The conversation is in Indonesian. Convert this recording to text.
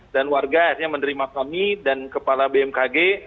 dan warga akhirnya menerima kami dan kepala bmkg